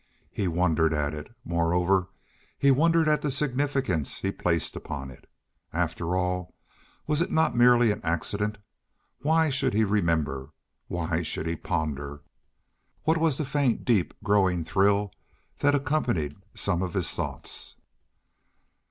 He wondered at it. Moreover, he wondered at the significance he placed upon it. After all, was it not merely an accident? Why should he remember? Why should he ponder? What was the faint, deep, growing thrill that accompanied some of his thoughts?